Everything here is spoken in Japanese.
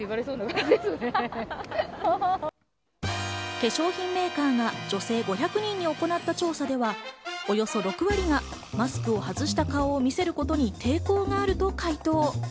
化粧品メーカーが女性５００人に行った調査では、およそ６割がマスクを外した顔を見せることに抵抗があると回答。